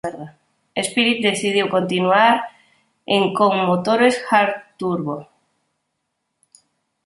Spirit decidiu continuar en con motores Hart turbo.